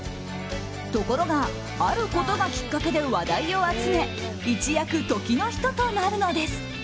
ところがあることがきっかけで話題を集め一躍、時の人となるのです。